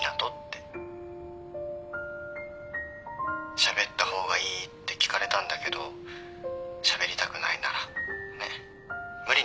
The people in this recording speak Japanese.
しゃべった方がいい？って聞かれたんだけどしゃべりたくないならねっ無理にしゃべることないし。